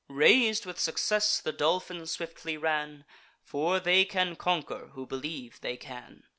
Rais'd with success, the Dolphin swiftly ran; For they can conquer, who believe they can.